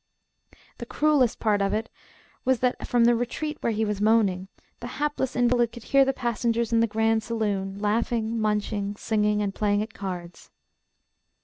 The cruellest part of it was that, from the retreat where he was moaning, the hapless invalid could hear the passengers in the grand saloon laughing, munching, singing, and playing at cards.